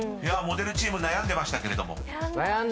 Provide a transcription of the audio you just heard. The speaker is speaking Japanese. ［モデルチーム悩んでましたけれども］